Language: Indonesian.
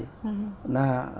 nah ini kan masih awal ya